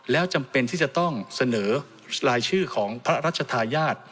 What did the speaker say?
แล้วจำเป็นที่จะต้องเสนอรายชื่อของพระราชทายาท